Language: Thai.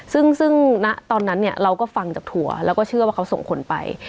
ซึ่งณตอนนั้นเนี่ยเราก็ฟังจากทัวร์แล้วก็เชื่อว่าเขาส่งคนไป